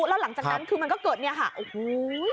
แล้วหลังจากนั้นคือมันก็เกิด